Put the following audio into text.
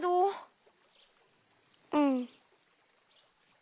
うん。